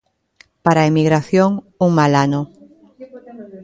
Para a emigración, un mal ano.